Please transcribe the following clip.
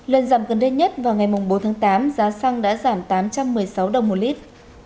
lần giảm gần đây nhất vào ngày bốn tháng tám giá xăng đã giảm tám trăm một mươi sáu đồng một lít